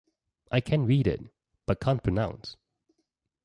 I can read it, but can't pronounce.